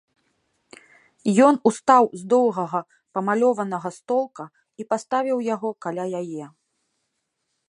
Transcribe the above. Ён устаў з доўгага памалёванага столка і паставіў яго каля яе.